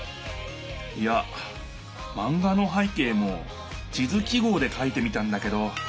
いやマンガの背景も地図記号でかいてみたんだけど。